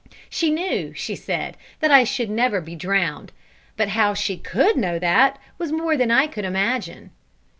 She knew, she said, that I should never be drowned. But how she could know that was more than I could then imagine.